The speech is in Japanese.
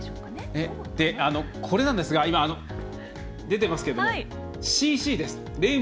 これなんですが出ていますけども、ＣＧです。